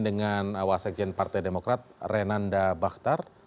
dengan wasakjen partai demokrat renanda baktar